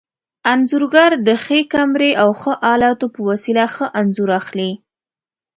انځورګر د ښې کمرې او ښو الاتو په وسیله ښه انځور اخلي.